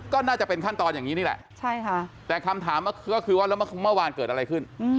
ก็น่าจะเป็นขั้นตอนอย่างนี้แหละแต่คำถามเมื่อวานเกิดอะไรขึ้น